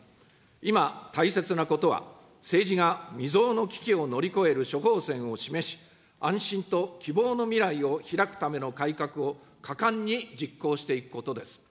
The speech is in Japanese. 今、大切なことは、政治が未曽有の危機を乗り越える処方箋を示し、安心と希望の未来を拓くための改革を果敢に実行していくことです。